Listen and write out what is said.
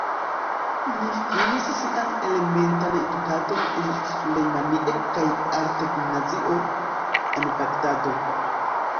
li finis sian elementan edukadon en Sulejmanie kaj art-gimnazio, en Bagdado.